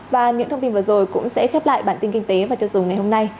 và những thông tin vừa rồi cũng sẽ khép lại bản tin kinh tế và tiêu dùng ngày hôm nay